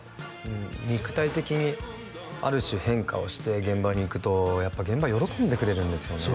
肉体的にある種変化をして現場に行くとやっぱ現場喜んでくれるんですよね